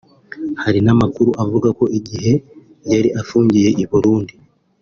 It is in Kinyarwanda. Hari n’amakuru avuga ko igihe yari afungiye i Burundi